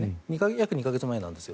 約２か月前なんです。